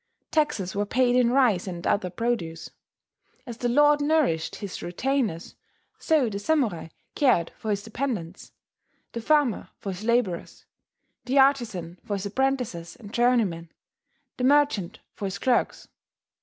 Taxes were paid in rice and other produce. As the lord nourished his retainers, so the samurai cared for his dependants, the farmer for his labourers, the artizan for his apprentices and journeymen, the merchant for his clerks.